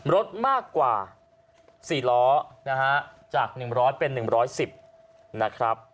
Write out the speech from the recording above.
ลดมากกว่าสี่ล้อนะฮะจากหนึ่งร้อยเป็นหนึ่งร้อยสิบนะครับ